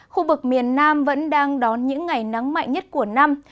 khu vực miền nam vẫn đang đón những ngày nắng mạnh nhất của năm